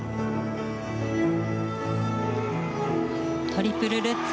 トリプルルッツ。